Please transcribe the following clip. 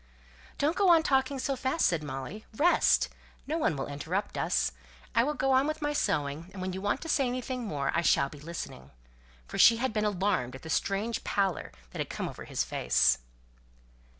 "Don't go on talking so fast," said Molly. "Rest. No one will interrupt us; I will go on with my sewing; when you want to say anything more I shall be listening." For she was alarmed at the strange pallor that had come over his face.